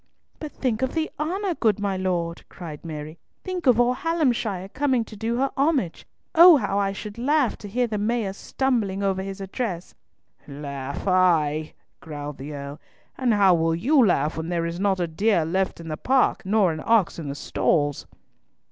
"But think of the honour, good my lord," cried Mary. "Think of all Hallamshire coming to do her homage. Oh, how I should laugh to hear the Mayor stumbling over his address." "Laugh, ay," growled the Earl; "and how will you laugh when there is not a deer left in the park, nor an ox in the stalls?"